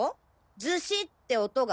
「ズシッ！」って音が。